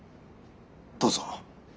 どうぞ。